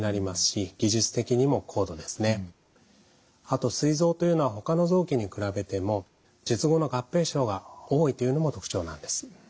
あとすい臓というのはほかの臓器に比べても術後の合併症が多いというのも特徴なんです。